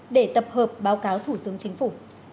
để tập hợp báo cáo thủ dương chính phủ